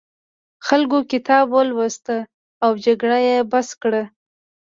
خلکو کتاب ولوست او جګړه یې بس کړه.